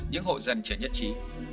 những hồ dân trở nhất trí